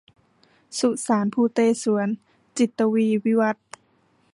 สุสานภูเตศวร- จินตวีร์ วิวัธน์